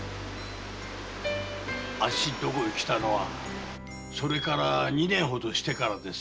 あっしの所へ来たのはそれから二年ほどしてからです。